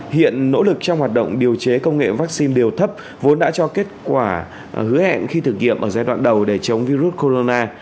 hiện nỗ lực trong hoạt động điều chế công nghệ vaccine đều thấp vốn đã cho kết quả hứa hẹn khi thử nghiệm ở giai đoạn đầu để chống virus corona